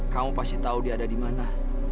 kamu pasti tahu dia ada di mana